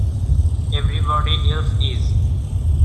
Everybody else is.